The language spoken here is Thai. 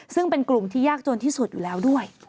ซึ่งเป็นกลุ่มที่ยากจนที่สุดอยู่แล้วด้วย